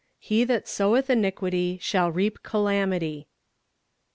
"HE THAT SOWETH INIQUITY, SHALL REAP CALAMITY."